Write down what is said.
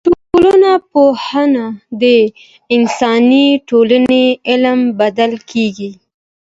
ټولنپوهنه د انساني ټولني علم بلل کیږي.